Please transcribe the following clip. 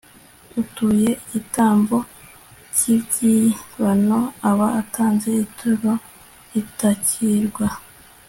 utuye igitambo cy'ibyibano aba atanze ituro ritakirwa